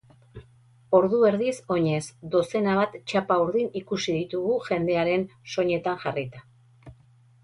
Ordu erdiz oinez, dozena bat txapa urdin ikusi ditugu jendearen soinetan jarrita.